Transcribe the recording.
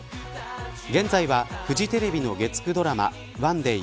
現在はフジテレビの月９ドラマＯＮＥＤＡＹ